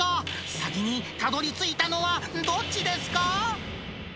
先にたどりついたのはどっちですか？